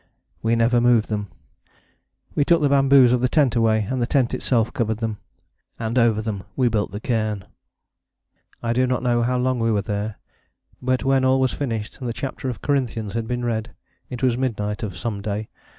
We never moved them. We took the bamboos of the tent away, and the tent itself covered them. And over them we built the cairn. I do not know how long we were there, but when all was finished, and the chapter of Corinthians had been read, it was midnight of some day.